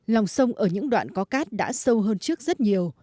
lòng sông ở những đoạn có cát đã sâu hơn trước rất nhiều